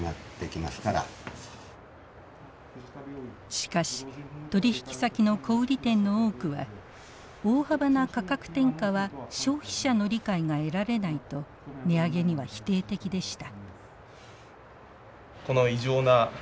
しかし取引先の小売店の多くは大幅な価格転嫁は消費者の理解が得られないと値上げには否定的でした。